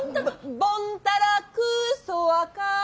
ボンタラクーソワカー。